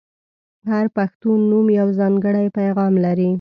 • هر پښتو نوم یو ځانګړی پیغام لري.